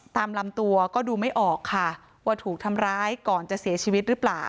ตามลำตัวก็ดูไม่ออกค่ะว่าถูกทำร้ายก่อนจะเสียชีวิตหรือเปล่า